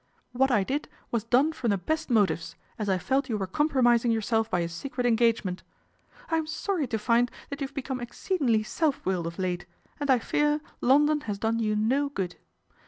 " What I did was done from the best motives, as I felt you were compromising yourself by a secret engagement. " I am sorry to find that you have become exceedingly self willed of late, and I fear London has done you no good.